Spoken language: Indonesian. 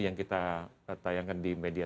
yang kita tayangkan di media